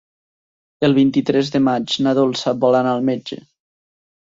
El vint-i-tres de maig na Dolça vol anar al metge.